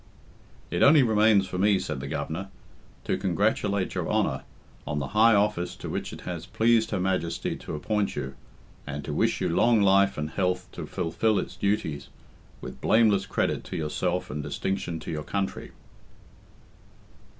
"It only remains for me," said the Governor, "to congratulate your Honour on the high office to which it has pleased Her Majesty to appoint you, and to wish you long life and health to fulfil its duties, with blameless credit to yourself and distinction to your country."